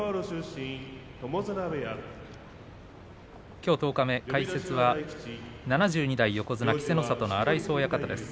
きょう十日目、解説は７２代横綱稀勢の里の荒磯親方です。